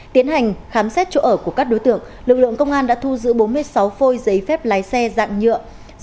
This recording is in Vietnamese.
tiến hành khám xét chỗ ở của các đối tượng lực lượng công an đã thu giữ bốn mươi sáu phôi giấy phép lái xe dạng nhựa